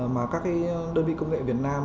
mà các đơn vị công nghệ việt nam